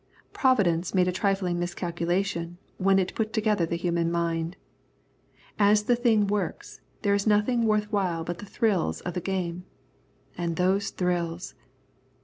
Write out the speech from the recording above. Providence made a trifling miscalculation when it put together the human mind. As the thing works, there is nothing worth while but the thrills of the game. And these thrills!